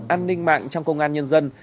an ninh mạng trong công an nhân dân